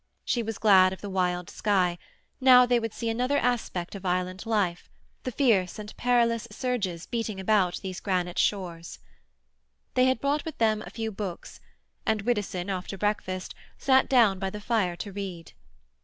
She was glad of the wild sky; now they would see another aspect of island life—the fierce and perilous surges beating about these granite shores. They had brought with them a few books, and Widdowson, after breakfast, sat down by the fire to read.